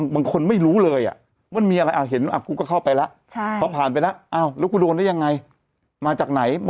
บอกเลยว่าบุญท่าลายก็ทำให้ใช้